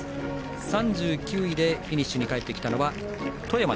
３９位でフィニッシュに帰ってきたのは富山。